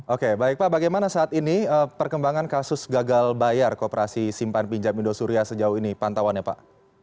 oke baik pak bagaimana saat ini perkembangan kasus gagal bayar kooperasi simpan pinjam indosuria sejauh ini pantauannya pak